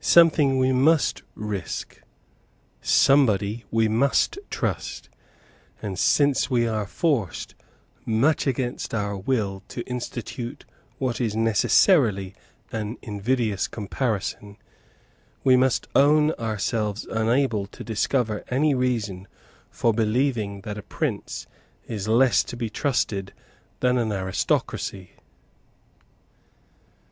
Something we must risk; somebody we must trust; and; since we are forced, much against our will, to institute what is necessarily an invidious comparison, we must own ourselves unable to discover any reason for believing that a prince is less to be trusted than an aristocracy.